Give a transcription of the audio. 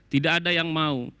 tidak ada yang mau